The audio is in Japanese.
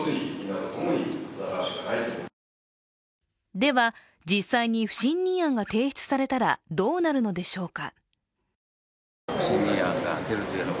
では、実際に不信任案が提出されたらどうなるのでしょうか。